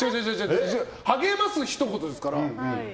励ますひと言ですから。